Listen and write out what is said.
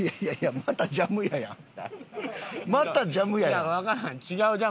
またジャム屋やん。